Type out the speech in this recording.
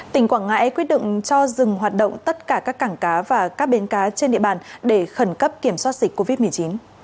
tỉnh quảng ngãi quyết định cho dừng hoạt động tất cả các cảng cá và các bến cá trên địa bàn để khẩn cấp kiểm soát dịch covid một mươi chín